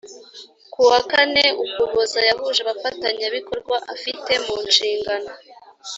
kuwa kane ukuboza yahuje abafatanyabikorwa afite mu nshingano